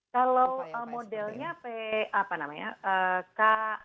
kalau modelnya kpnt